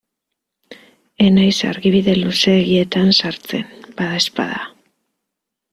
Ez naiz argibide luzeegietan sartzen, badaezpada.